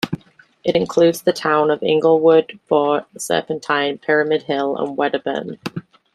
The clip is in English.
It includes the towns of Inglewood, Boort, Serpentine, Pyramid Hill and Wedderburn.